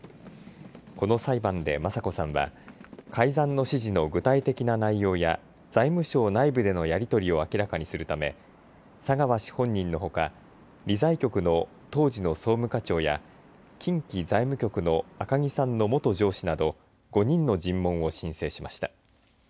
この裁判で雅子さんは改ざんの指示の具体的な内容や財務省内部でのやり取りを明らかにするため佐川氏本人のほか理財局の当時の総務課長や近畿財務局の赤木さんの元上司など５人の尋問を申請しました。